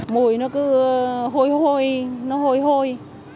mùi nó cứ hôi hôi nó hôi hôi